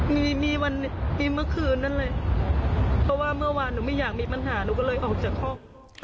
มีมีวันมีเมื่อคืนนั้นเลยเพราะว่าเมื่อวานหนูไม่อยากมีปัญหาหนูก็เลยออกจากห้อง